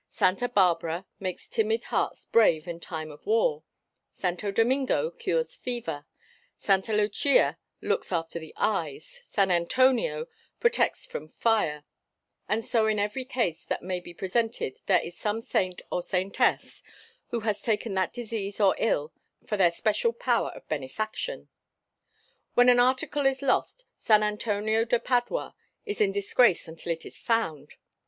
Sta. Bárbara makes timid hearts brave in times of war; Santo Domingo cures fever, Santa Lucia looks after the eyes, San Antonio protects from fire; and so in every case that may be presented there is some saint (or saintess) who has taken that disease or ill for their special power of benefaction. When an article is lost San Antonio de Padua is in disgrace until it is found.